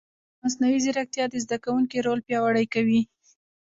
مصنوعي ځیرکتیا د زده کوونکي رول پیاوړی کوي.